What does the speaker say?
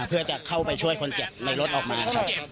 เพื่อจะเข้าไปช่วยคนเจ็บในรถออกมาครับ